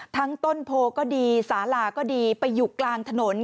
ต้นโพก็ดีสาลาก็ดีไปอยู่กลางถนน